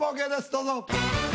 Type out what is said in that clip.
どうぞ。